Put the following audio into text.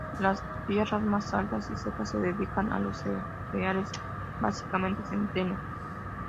Las tierras más altas y secas se dedican a los cereales, básicamente centeno.